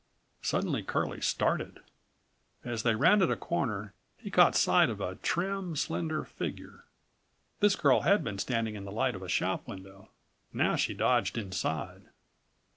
Suddenly Curlie started. As they rounded a corner he caught sight of a trim, slender figure. This girl had been standing in the light of a shop window. Now she dodged inside.